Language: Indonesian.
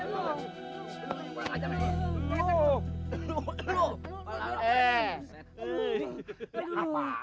kamu pun keras keras jadi kabur tuh